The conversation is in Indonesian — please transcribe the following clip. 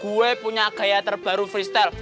gue punya gaya terbaru freestyle